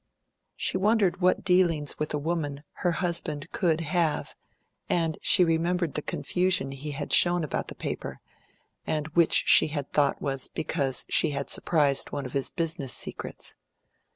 She wondered what dealings with a woman her husband could have, and she remembered the confusion he had shown about the paper, and which she had thought was because she had surprised one of his business secrets.